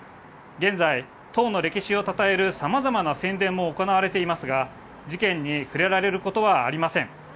現在、党の歴史を讃えるさまざまな宣伝も行われていますが、事件に触れられることはありません。